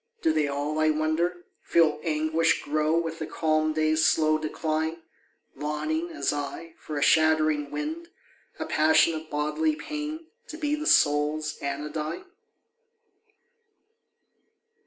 Do they all, I wonder, Feel anguish grow with the calm day's slow decline, Longing, as I, for a shattering wind, a passion Of bodily pain to be the soul's anodyne ?